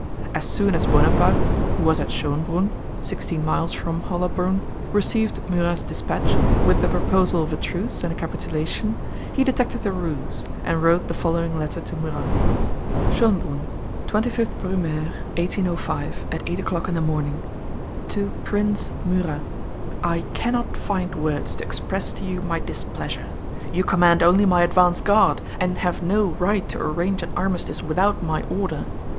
As soon as Bonaparte (who was at Schönbrunn, sixteen miles from Hollabrünn) received Murat's dispatch with the proposal of a truce and a capitulation, he detected a ruse and wrote the following letter to Murat: Schönbrunn, 25th Brumaire, 1805, at eight o'clock in the morning To PRINCE MURAT, I cannot find words to express to you my displeasure. You command only my advance guard, and have no right to arrange an armistice without my order.